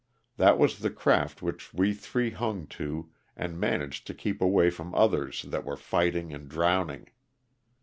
That was the craft which we three hung to and managed to keep away from others that were fighting and drowning.